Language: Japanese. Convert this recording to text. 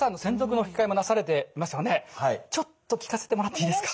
ちょっと聞かせてもらっていいですか？